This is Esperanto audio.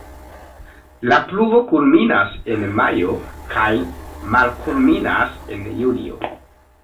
La pluvo kulminas en majo kaj malkulminas en julio.